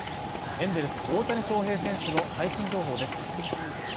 エンゼルス・大谷翔平選手の最新情報です